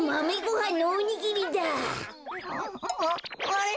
あれ？